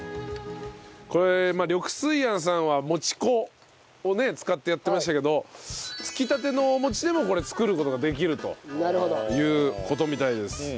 これ緑水庵さんはもち粉をね使ってやってましたけどつきたてのお餅でも作る事ができるという事みたいです。